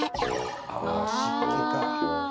ああ！